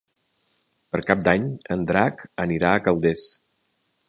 Per Cap d'Any en Drac anirà a Calders.